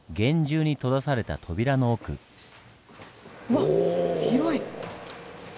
わっ広い。